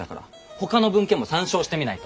ほかの文献も参照してみないと！